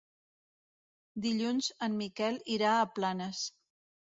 Dilluns en Miquel irà a Planes.